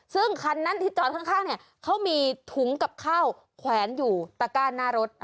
ซึ่งคันนั้นที่จอดข้างเนี่ยเขามีถุงกับข้าวแขวนอยู่ตะก้าหน้ารถ